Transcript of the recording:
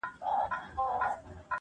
قاسم یاره چي سپېڅلی مي وجدان سي-